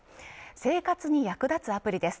生活に役立つアプリです。